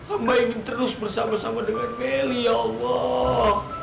amah ingin terus bersama sama dengan mary ya allah